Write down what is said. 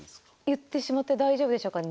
言ってしまって大丈夫でしょうか。